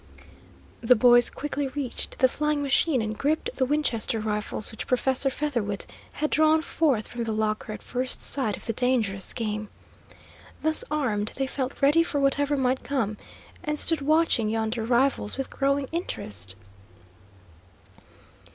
The boys quickly reached the flying machine and gripped the Winchester rifles which Professor Featherwit had drawn forth from the locker at first sight of the dangerous game. Thus armed, they felt ready for whatever might come, and stood watching yonder rivals with growing interest.